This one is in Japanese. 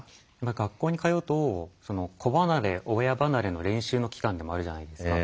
学校に通うと子離れ親離れの練習の期間でもあるじゃないですか。